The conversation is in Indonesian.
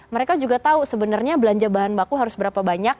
mereka juga tahu sebenarnya belanja bahan baku harus berapa banyak